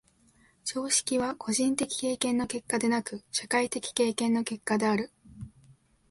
常識は個人的経験の結果でなく、社会的経験の結果である。